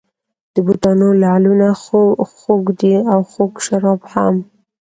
د بتانو لعلونه خوږ دي او خوږ شراب هم.